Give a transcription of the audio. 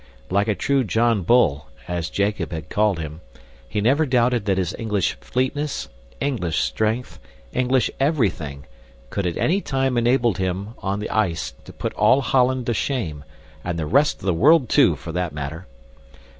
Like a true "John Bull," as Jacob had called him, he never doubted that his English fleetness, English strength, English everything, could at any time enable him, on the ice, to put all Holland to shame, and the rest of the world too, for that matter.